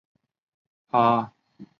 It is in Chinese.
趴倒在地高烧不退